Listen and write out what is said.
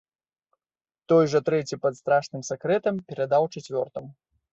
Той жа трэці пад страшным сакрэтам перадаў чацвёртаму.